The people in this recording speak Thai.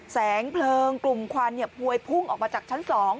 แสงเพลิงกลุ่มควันพวยพุ่งออกมาจากชั้น๒